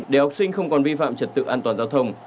để học sinh không còn vi phạm trật tự an toàn giao thông